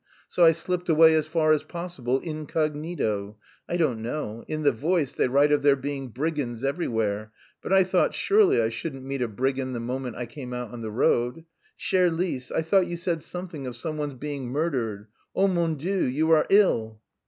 So I slipped away as far as possible incognito. I don't know; in the Voice they write of there being brigands everywhere, but I thought surely I shouldn't meet a brigand the moment I came out on the road. Chère Lise, I thought you said something of someone's being murdered. Oh, mon Dieu! You are ill!"